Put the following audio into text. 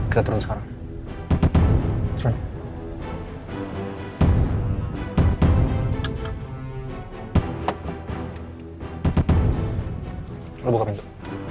selalu aja mbak andien yang dibelain